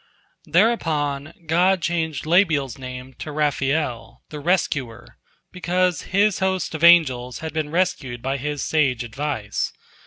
Thereupon God changed Labbiel's name to Raphael, the Rescuer, because his host of angels had been rescued by his sage advice.